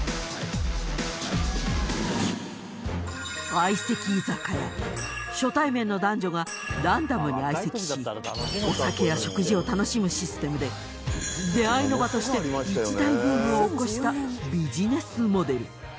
東芝初対面の男女がランダムに相席しお酒や食事を楽しむシステムで出会いの場として一大ブームを起こしたビジネスモデル。